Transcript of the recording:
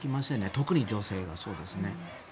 特に女性がそうですね。